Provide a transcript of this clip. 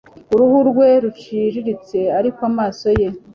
uruhu rwe ruciriritse, ariko amaso ye